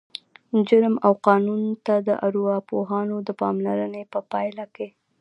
جرم او قانون ته د ارواپوهانو د پاملرنې په پایله کې